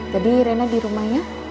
tadi rena di rumahnya